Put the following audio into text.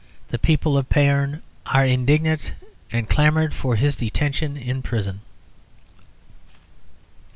The people of Payerne are indignant, and clamoured for his detention in prison."